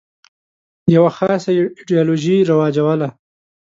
یوه خاصه ایدیالوژي رواجوله.